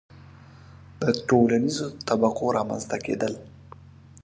• د ټولنیزو طبقو رامنځته کېدل.